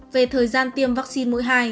về thời gian tiêm vaccine mũi hai